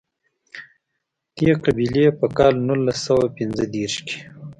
دې قبیلې په کال نولس سوه پېنځه دېرش کې.